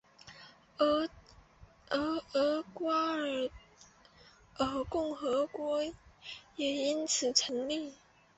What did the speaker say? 而厄瓜多尔共和国也因此成立。